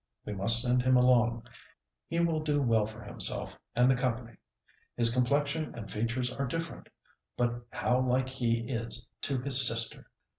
We must send him along. He will do well for himself and the company. His complexion and features are different—but how like he is to his sister!"